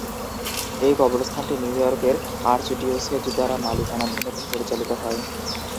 এই কবরস্থানটি নিউ ইয়র্কের আর্চডিওসেজ দ্বারা মালিকানাধীন এবং পরিচালিত হয়।